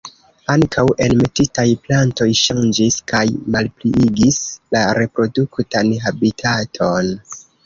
Ankaŭ enmetitaj plantoj ŝanĝis kaj malpliigis la reproduktan habitaton.